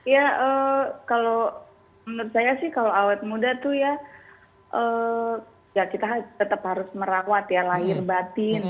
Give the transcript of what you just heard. ya kalau menurut saya sih kalau awet muda tuh ya kita tetap harus merawat ya lahir batin